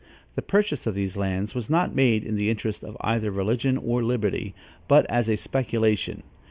The purchase of these lands was not made in the interest of either religion or liberty, but as a speculation.